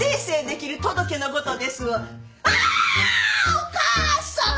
お母さん。